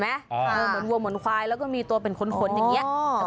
เหมือนวัวเหมือนควายแล้วก็มีตัวเป็นขนอย่างนี้